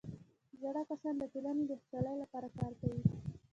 زاړه کسان د ټولنې د خوشحالۍ لپاره کار کوي